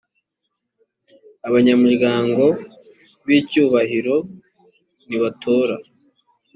abanyamuryango b’icyubahiro ntibatora